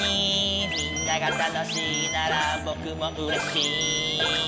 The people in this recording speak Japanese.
「みんなが楽しいならぼくもうれしい」